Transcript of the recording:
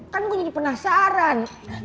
kan gue jadi penasaran